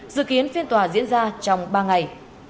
dự kiến phiên tòa diễn ra trong ba ngày